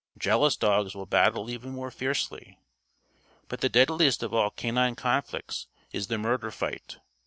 Jealous dogs will battle even more fiercely. But the deadliest of all canine conflicts is the "murder fight."